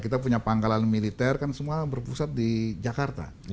kita punya pangkalan militer kan semua berpusat di jakarta